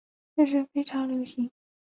这是非常流行。